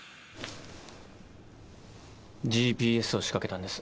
ＧＰＳを仕掛けたんです。